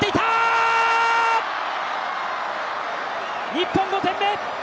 日本５点目！